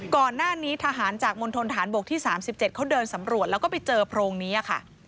ก่อนหน้านี้ทหารจากมณฑนฐานบกที่๓๗เขาเดินสำรวจแล้วก็ไปเจอโพรงนี้ค่ะ